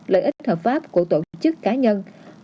lợi ích hợp pháp của tổ chức cá nhân